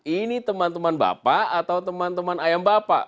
ini teman teman bapak atau teman teman ayam bapak